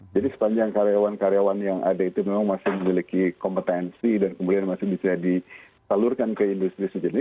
jadi sepanjang karyawan karyawan yang ada itu memang masih memiliki kompetensi dan kemudian masih bisa ditalurkan ke industri sejenis